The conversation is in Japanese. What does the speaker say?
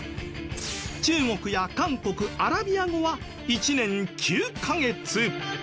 中国や韓国アラビア語は１年９カ月。